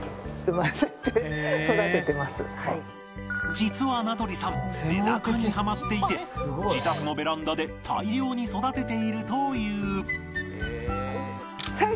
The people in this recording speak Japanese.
実は名取さんメダカにハマっていて自宅のベランダで大量に育てているという